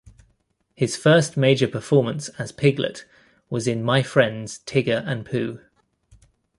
His first major performance as Piglet was in "My Friends Tigger and Pooh".